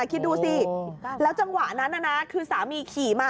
คิดดูสิแล้วจังหวะนั้นน่ะนะคือสามีขี่มา